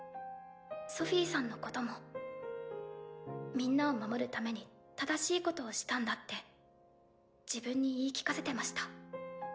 ソフィさんのこともみんなを守るために正しいことをしたんだって自分に言い聞かせてました。